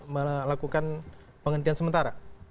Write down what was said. melakukan penghentian sementara